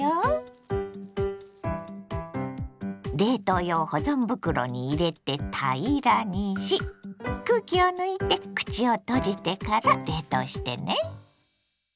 冷凍用保存袋に入れて平らにし空気を抜いて口を閉じてから冷凍してね。